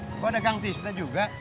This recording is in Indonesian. kok ada gangstisnya juga